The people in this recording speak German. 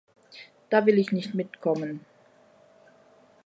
Da will ich nicht mitkommen.